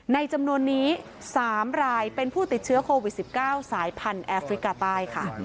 จำนวนนี้๓รายเป็นผู้ติดเชื้อโควิด๑๙สายพันธุ์แอฟริกาใต้ค่ะ